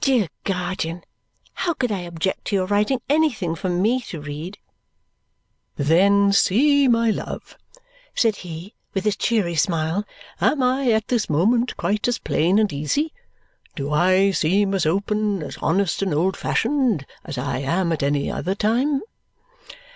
"Dear guardian, how could I object to your writing anything for ME to read?" "Then see, my love," said he with his cheery smile, "am I at this moment quite as plain and easy do I seem as open, as honest and old fashioned as I am at any time?"